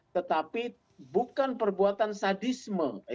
tetapi bukan perbuatan sadisme